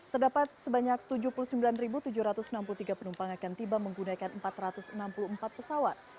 terdapat sebanyak tujuh puluh sembilan tujuh ratus enam puluh tiga penumpang akan tiba menggunakan empat ratus enam puluh empat pesawat